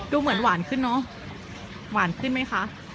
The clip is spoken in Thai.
ดูเหมือนหวานขึ้นเนอะหวานขึ้นไหมคะ